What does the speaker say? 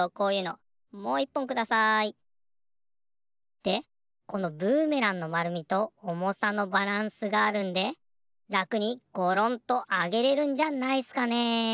でこのブーメランのまるみとおもさのバランスがあるんでらくにごろんとあげれるんじゃないっすかね。